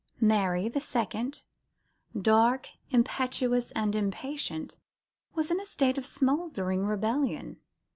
Mary, the second, dark, impetuous, and impatient, was in a state of smouldering rebellion.